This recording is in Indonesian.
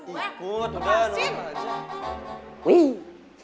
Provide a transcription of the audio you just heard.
ikut udah udah